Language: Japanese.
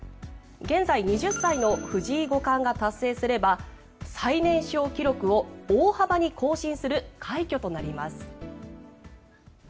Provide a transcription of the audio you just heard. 現在２０歳の藤井五冠が達成すれば最年少記録を大幅に更新する快挙となります。